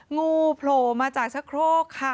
งูโผล่มาจากชะโครกค่ะ